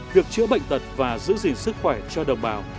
việc chữa bệnh tật và giữ gìn sức khỏe cho đồng bào